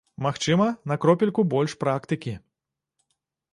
Магчыма, на кропельку больш практыкі.